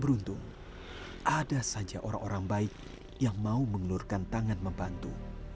beruntung ada saja orang orang baik yang mau mengelurkan tangan membantu